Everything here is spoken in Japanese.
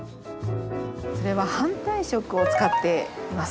反対色を使っています。